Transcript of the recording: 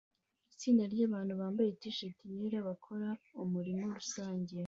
itsinda ryabantu bambaye T-Shirt yera bakora umurimo rusange